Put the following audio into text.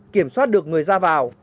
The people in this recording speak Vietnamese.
kiểm soát được người ra vào